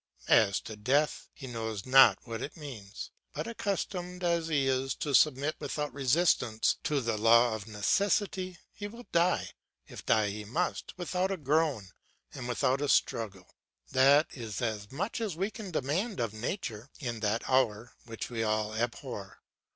As to death, he knows not what it means; but accustomed as he is to submit without resistance to the law of necessity, he will die, if die he must, without a groan and without a struggle; that is as much as we can demand of nature, in that hour which we all abhor.